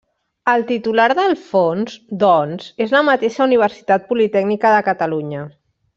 El titular del fons, doncs, és la mateixa Universitat Politècnica de Catalunya.